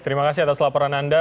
terima kasih atas laporan anda